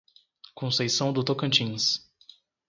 Conceição do Tocantins